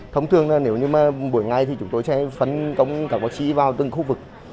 thông thường là nếu như mà buổi ngày thì chúng tôi sẽ phấn công các bác sĩ vào từng khu vực